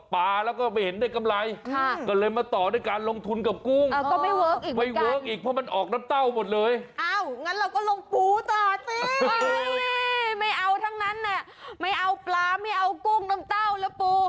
ไม่เอาปลาไม่เอากุ้งน้ำเต้าและปู